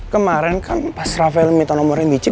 kemaren kan pas rafael minta nomorin michi